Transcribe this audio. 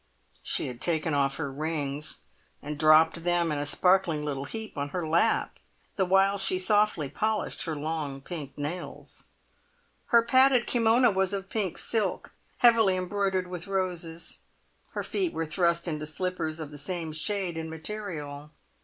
She had taken off her rings and dropped them in a sparkling little heap on her lap, the while she softly polished her long pink nails. Her padded kimona was of pink silk, heavily embroidered with roses, her feet were thrust into slippers of the same shade and material.